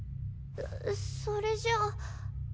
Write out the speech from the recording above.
それじゃあ。